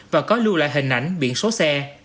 và có lưu lại hình ảnh biển số xe